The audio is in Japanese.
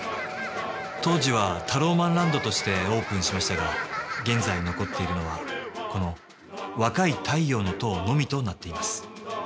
当時はタローマンランドとしてオープンしましたが現在残っているのはこの「若い太陽の塔」のみとなっています。